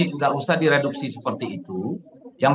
enggak usah direduksi seperti itu yang